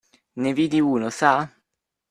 Ne vidi uno sa?